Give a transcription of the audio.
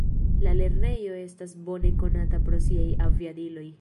La lernejo estas bone konata pro siaj aviadiloj.